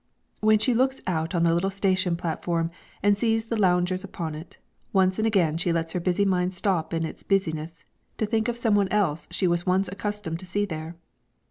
When she looks out on the little station platform and sees the loungers upon it, once and again she lets her busy mind stop in its business to think of some one else she was once accustomed to see there.